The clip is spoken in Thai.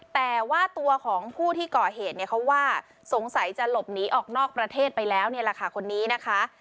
แต่ว่าตัวของผู้ที่ก่อเหตุเนี่ยเขาว่าสงสัยจะหลบหนีออกนอกประเทศไปแล้วนี่แหละค่ะคนนี้นะคะ